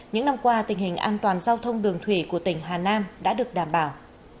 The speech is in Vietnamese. những năm qua tình hình an toàn giao thông đường thủy của tỉnh hà nam đã được đảm bảo